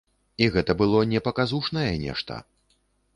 І гэта было не паказушнае нешта.